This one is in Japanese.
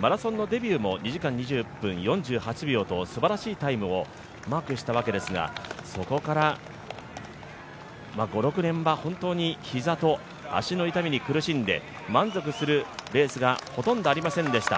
マラソンのデビューも２時間２１分４８秒と、すばらしいタイムをマークしたわけですが、そこから５６年は本当に膝と足の痛みに苦しんで、満足するレースがほとんどありませんでした。